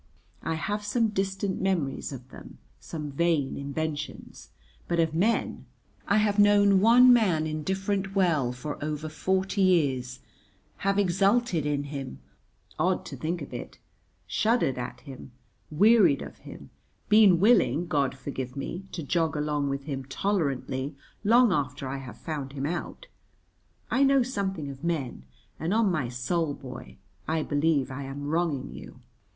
I have some distant memories of them, some vain inventions. But of men I have known one man indifferent well for over forty years, have exulted in him (odd to think of it), shuddered at him, wearied of him, been willing (God forgive me) to jog along with him tolerantly long after I have found him out; I know something of men, and, on my soul, boy, I believe I am wronging you.